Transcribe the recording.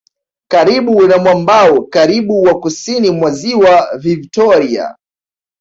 Karibu na mwambao karibu wa kusini mwa Ziwa Vivtoria